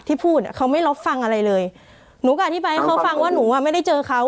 พูดอ่ะเขาไม่รับฟังอะไรเลยหนูก็อธิบายให้เขาฟังว่าหนูอ่ะไม่ได้เจอเขา